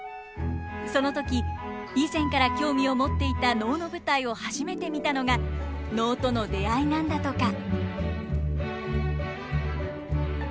その時以前から興味を持っていた能の舞台を初めて見たのが能との出会いなんだとか。